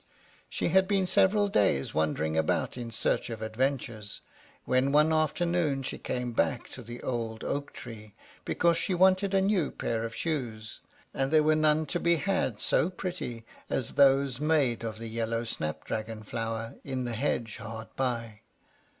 She had been several days wandering about in search of adventures, when one afternoon she came back to the old oak tree, because she wanted a new pair of shoes, and there were none to be had so pretty as those made of the yellow snapdragon flower in the hedge hard by.